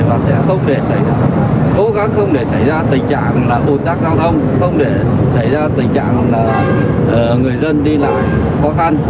và sẽ không để xảy ra cố gắng không để xảy ra tình trạng là công tác giao thông không để xảy ra tình trạng là người dân đi lại khó khăn